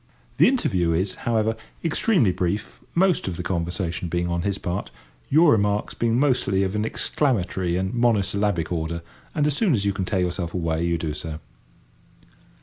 The interview is, however, extremely brief, most of the conversation being on his part, your remarks being mostly of an exclamatory and mono syllabic order, and as soon as you can tear yourself away you do so.